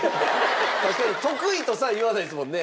得意とさえ言わないですもんね